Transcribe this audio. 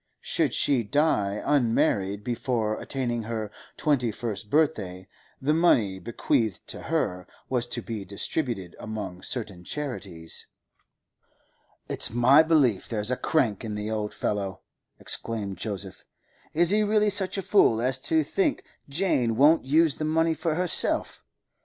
Should she die unmarried before attaining her twenty first birthday, the money bequeathed to her was to be distributed among certain charities. 'It's my belief there's a crank in the old fellow,' exclaimed Joseph. 'Is he really such a fool as to think Jane won't use the money for herself?